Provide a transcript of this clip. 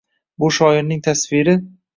Bu shoirning tasviri